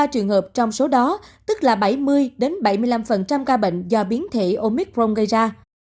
một trăm tám mươi ba trường hợp trong số đó tức là bảy mươi bảy mươi năm ca bệnh do biến thể omicron gây ra